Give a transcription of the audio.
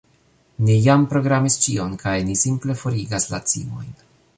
Ni jam programis ĉion kaj ni simple forigas la cimojn